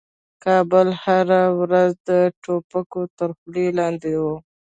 کابل هره ورځ د توپکو تر خولې لاندې و.